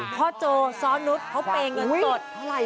พ่อโจซ้อนรุ๊ดเขาเป็นเงินตด